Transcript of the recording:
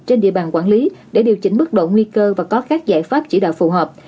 trên địa bàn quản lý để điều chỉnh mức độ nguy cơ và có các giải pháp chỉ đạo phù hợp